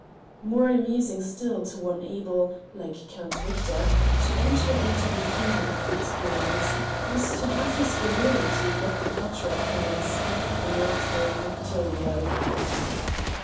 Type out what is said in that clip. More amusing still to one able, like Count Victor, to enter into the humour of the experience, was it to have his garrulity get the better of him in spite of the military punctilio.